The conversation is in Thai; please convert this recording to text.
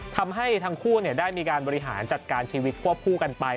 ทำให้ทั้งคู่ได้มีการบริหารจัดการชีวิตควบคู่กันไป